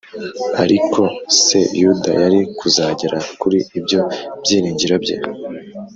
ariko se yuda yari kuzagera kuri ibyo byiringiro bye?